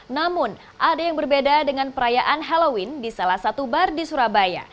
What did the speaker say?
namun ada yang berbeda dengan perayaan halloween di salah satu bar di surabaya